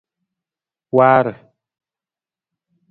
Waara.